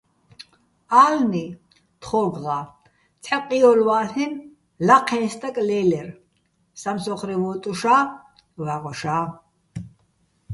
ა́ლნი თხო́გღა ცჰ̦ა ყიოლვა́ლ'ენო̆ ლაჴეჼ სტაკ ლე́ლერ სამსო́ხრე ვოტუშა́, ვაღოშა́.